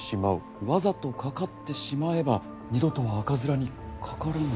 わざとかかってしまえば二度とは赤面にかからぬ。